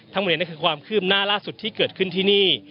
ทั้งหมดนี้คือความคืบหน้าล่าสุดที่เกิดขึ้นที่นี่